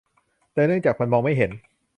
แต่เนื่องจากมันมองไม่เห็น